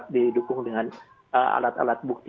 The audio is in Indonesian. didukung dengan alat alat bukti